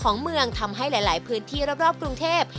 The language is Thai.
ของเมืองทำให้หลายพื้นที่รอบกรุงเทพ